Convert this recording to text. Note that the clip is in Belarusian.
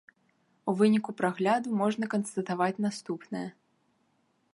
У выніку прагляду можна канстатаваць наступнае.